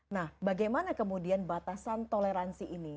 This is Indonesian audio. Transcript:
nah bagaimana kemudian batasan toleransi ini